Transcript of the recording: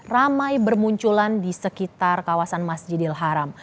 ramai bermunculan di sekitar kawasan masjidil haram